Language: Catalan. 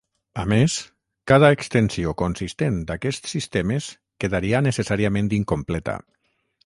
A més, cada extensió consistent d'aquests sistemes quedaria necessàriament incompleta.